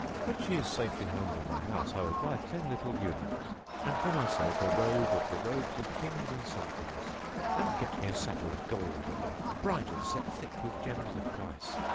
When she is safely homed in my house, I will buy ten little eunuchs[FN#662] and for myself a robe of the robes of Kings and Sultans; and get me a saddle of gold and a bridle set thick with gems of price.